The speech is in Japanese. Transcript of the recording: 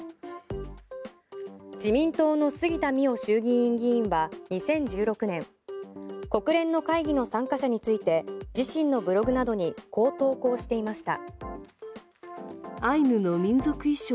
自民党の杉田水脈衆議院議員は２０１６年国連の会議の参加者について自身のブログなどにこう投稿していました。